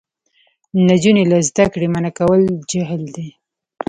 نجونې له زده کړې منع کول جهل دی.